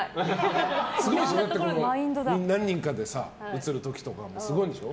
何人かで写る時とかもすごいんでしょ。